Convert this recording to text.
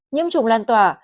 nhiễm trùng lan tỏa